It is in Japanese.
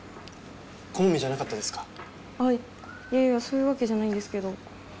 あっいやいやそういうわけじゃないんですけど。